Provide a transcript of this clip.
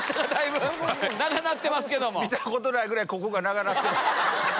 見たことないぐらいここが長くなってます。